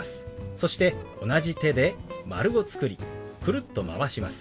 そして同じ手で丸を作りくるっとまわします。